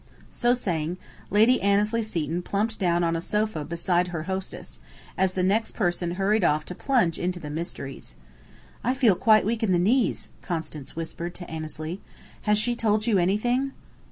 So saying, Lady Annesley Seton plumped down on a sofa beside her hostess, as the next person hurried off to plunge into the mysteries. "I feel quite weak in the knees," Constance whispered to Annesley. "Has she told you anything?"